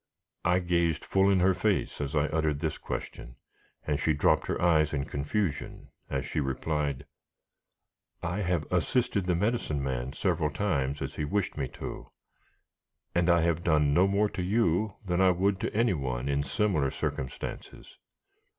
I gazed full in her face as I uttered this question, and she dropped her eyes in confusion, as she replied: "I have assisted the Medicine Man several times as he wished me to, and I have done no more to you than I would to any one in similar circumstances."